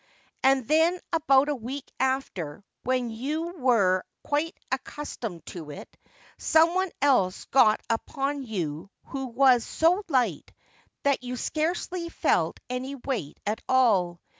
HIS HORSE, SIR? 165 And then about a week after, when you were quite accustomed to it, someone else got upon you who was so light that you scarcely felt any weight at all.